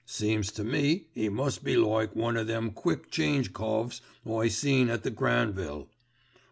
Seems to me 'e must be like one o' them quick change coves I seen at the Granville.